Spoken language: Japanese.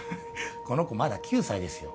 この子まだ９歳ですよ